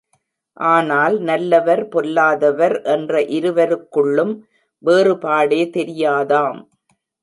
ஆனால் நல்லவர், பொல்லாதவர் என்ற இருவருக்குள்ளும் வேறுபாடே தெரியாதாம்.